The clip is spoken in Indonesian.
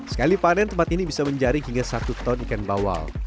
sekali panen tempat ini bisa menjaring hingga satu ton ikan bawal